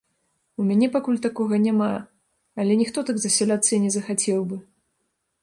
У мяне пакуль такога няма, але ніхто так засяляцца і не захацеў бы.